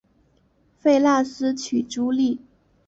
菲腊斯娶茱莉。